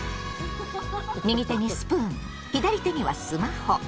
右手にスプーン左手にはスマホ。